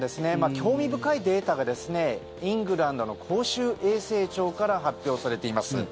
興味深いデータがイングランドの公衆衛生庁から発表されています。